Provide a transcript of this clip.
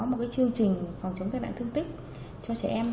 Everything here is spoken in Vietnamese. có một chương trình phòng chống tai nạn thương tích cho trẻ em